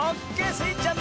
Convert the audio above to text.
スイちゃん